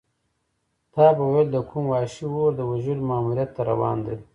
تا به ویل د کوم وحشي اور د وژلو ماموریت ته روان دی.